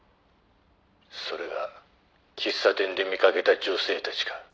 「それが喫茶店で見かけた女性たちか？」